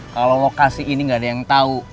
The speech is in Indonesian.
kalau lo kasih ini gak ada yang tau